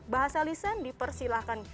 bahasa lisan dipersilahkan